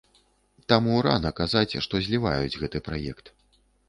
Таму рана казаць, што зліваюць гэты праект.